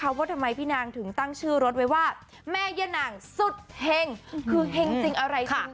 ว่าทำไมพี่นางถึงตั้งชื่อรถไว้ว่าแม่ยะนางสุดเฮงคือเฮงจริงอะไรจริง